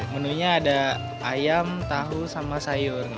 menunya ada ayam tahu sama sayur